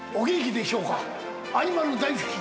アニマル大好き